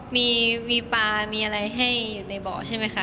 มีปลามีอะไรให้อยู่ในเบาะใช่ไหมคะ